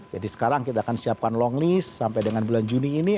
jadi sekarang kita akan siapkan long list sampai dengan bulan juni ini